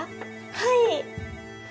はい？